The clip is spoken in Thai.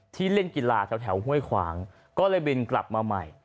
เล่นกีฬาแถวห้วยขวางก็เลยบินกลับมาใหม่